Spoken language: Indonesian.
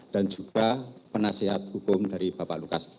dan juga penasihat hukum dari pak lukas